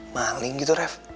maling gitu raff